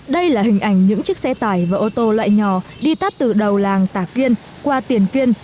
đây là hình ảnh những chiếc xe tải và ô tô loại nhỏ đi tắt từ đầu làng tả kiên qua tiền kiên